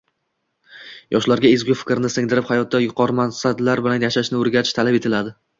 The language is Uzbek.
Yoshlarga ezgu fikrlarni singdirib, hayotda yuqori maqsadlar bilan yashashni o‘rgatish talab etiladi.